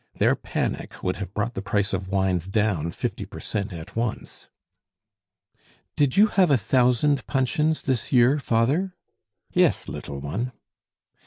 Their panic would have brought the price of wines down fifty per cent at once. "Did you have a thousand puncheons this year, father?" "Yes, little one."